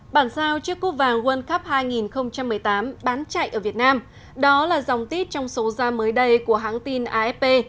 bản sao chiếc cú vàng world cup hai nghìn một mươi tám bán chạy ở việt nam đó là dòng tít trong số ra mới đây của hãng tin afp